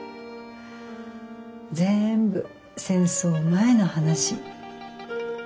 全部戦争前の話。